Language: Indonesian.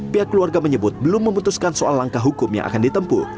pihak keluarga menyebut belum memutuskan soal langkah hukum yang akan ditempu